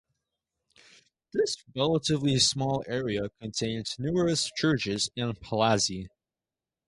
This relatively small area contains numerous churches and palazzi.